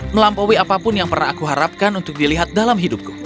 melampaui apapun yang pernah aku harapkan untuk dilihat dalam hidupku